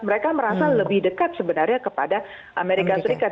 mereka merasa lebih dekat sebenarnya kepada amerika serikat